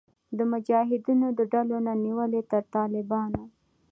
د مجاهدینو د ډلو نه نیولې تر طالبانو